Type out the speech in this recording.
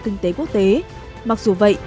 kinh tế quốc tế mặc dù vậy